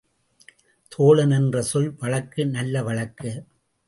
தோழன் என்ற சொல் வழக்கு நல்ல வழக்கு.